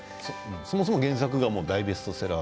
そもそも原作が大ベストセラー。